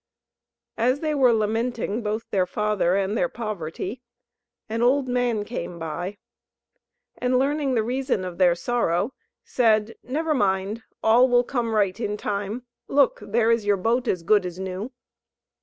As they were lamenting both their father and their poverty, an old man came by, and learning the reason of their sorrow said: "Never mind; all will come right in time. Look! there is your boat as good as new."